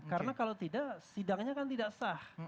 karena kalau tidak sidangnya kan tidak sah